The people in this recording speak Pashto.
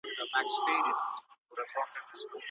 ایا تکړه پلورونکي جلغوزي صادروي؟